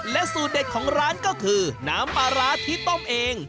สูตรเด็ดของร้านก็คือน้ำปลาร้าที่ต้มเอง